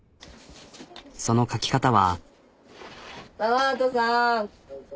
その描き方は。